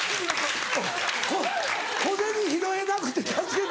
こ小銭拾えなくて「助けて‼」。